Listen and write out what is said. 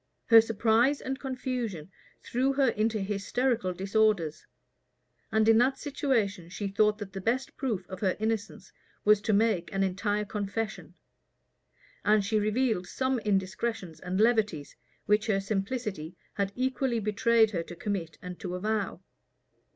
Her surprise and confusion threw her into hysterical disorders; and in that situation she thought that the best proof of her innocence was to make an entire confession; and she revealed some indiscretions and levities, which her simplicity had equally betrayed her to commit and to avow.